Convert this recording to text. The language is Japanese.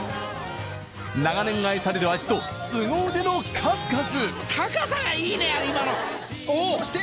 長年愛される味と凄腕の数々。